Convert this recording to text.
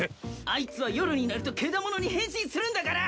あいつは夜になるとケダモノに変身するんだから。